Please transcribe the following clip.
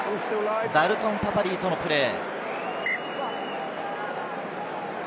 ダルトン・パパリィイとのプレー。